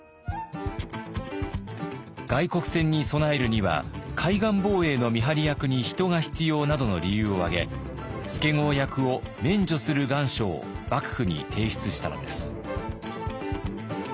外国船に備えるには海岸防衛の見張り役に人が必要などの理由を挙げ助郷役を免除する願書を幕府に提出したのです。